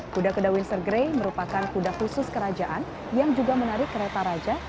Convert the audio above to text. kuda kuda windsor gray merupakan kuda khusus kerajaan yang juga menarik kereta raja